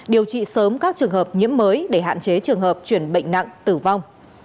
điều trị sớm các trường hợp nhiễm mới để hạn chế trường hợp chuyển bệnh nặng tử vong